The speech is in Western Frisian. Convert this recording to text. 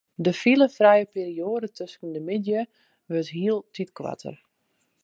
De filefrije perioade tusken de middei wurdt hieltyd koarter.